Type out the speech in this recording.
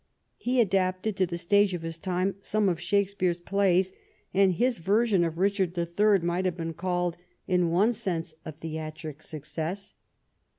He adapted to the stage of his time some of Shakespeare's plays, and his version of " Eichard the Third " might have been called in one sense a theatric success.